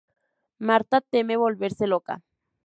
Marta teme volverse loca.